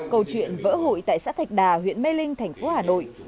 câu chuyện vỡ hội tại xã thạch đà huyện mê linh thành phố hà nội